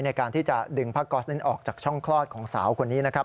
ในการที่จะดึงผ้าก๊อสนั้นออกจากช่องคลอดของสาวคนนี้นะครับ